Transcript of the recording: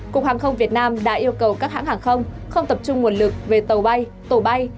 cục hàng không việt nam đã yêu cầu các hãng hàng không không tập trung nguồn lực về tàu bay tổ bay